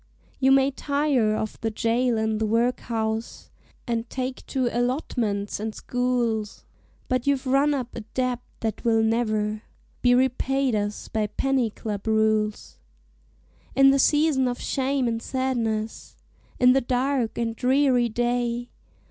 "You may tire of the jail and the workhouse, And take to allotments and schools, But you 've run up a debt that will never Be repaid us by penny club rules. "In the season of shame and sadness, In the dark and dreary day.